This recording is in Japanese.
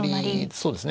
そうですね。